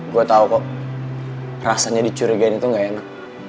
gue tau kok rasanya dicurigain itu gak enak